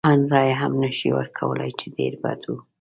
ان رایه هم نه شي ورکولای، چې ډېر بد و.